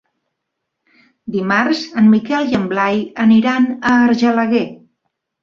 Dimarts en Miquel i en Blai aniran a Argelaguer.